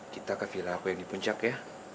kita ke villa apa yang di puncak ya